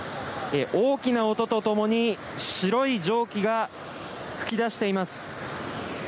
大きな音とともに白い蒸気が噴き出しています。